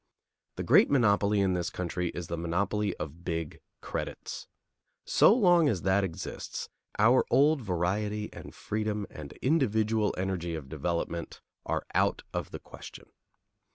The great monopoly in this country is the monopoly of big credits. So long as that exists, our old variety and freedom and individual energy of development are out of the question.